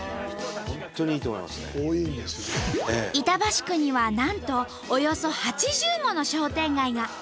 板橋区にはなんとおよそ８０もの商店街が！